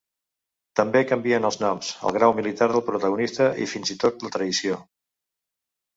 També canvien els noms, el grau militar del protagonista, i fins i tot la traïció.